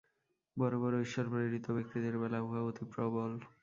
বড় বড় ঈশ্বরপ্রেরিত ব্যক্তিদের বেলা উহা অতি প্রবল।